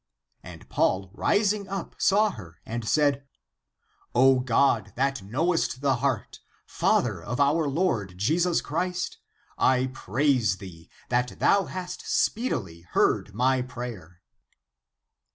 ^^ And Paul rising up, saw her, and said, " O God, that knowest the heart, Father of [our Lord] ^^ Jesus Christ; I praise thee, that thou hast speedily heard my prayer."